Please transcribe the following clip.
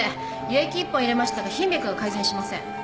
輸液１本入れましたが頻脈が改善しません。